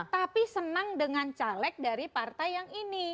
tapi senang dengan caleg dari partai yang ini